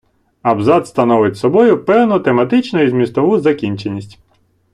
Абзац становить собою певну тематичну і змістову закінченість.